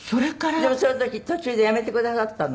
でもその時途中でやめてくださったの？